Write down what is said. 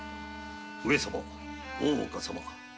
上様大岡様。